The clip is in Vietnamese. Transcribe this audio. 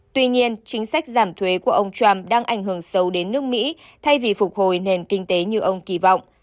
tuy nhiên chính sách giảm thuế của ông trump đang ảnh hưởng sâu đến nước mỹ thay vì phục hồi nền kinh tế như ông kỳ vọng